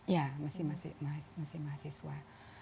ya masih mahasiswa